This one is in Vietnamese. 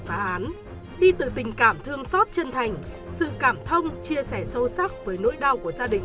phá án đi từ tình cảm thương xót chân thành sự cảm thông chia sẻ sâu sắc với nỗi đau của gia đình